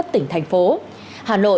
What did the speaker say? tỉnh thành phố hà nội